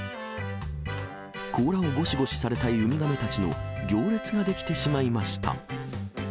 甲羅をごしごしされたいウミガメたちの行列が出来てしまいました。